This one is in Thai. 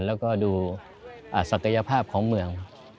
แล้วก็ดูศักยภาพของเมือง